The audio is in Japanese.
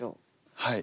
はい。